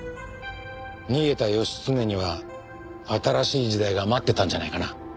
逃げた義経には新しい時代が待っていたんじゃないかな。